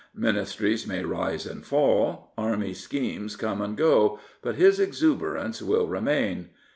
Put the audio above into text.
Ministries may rise and fall, Army schemes come and go, but his exuberance will remain.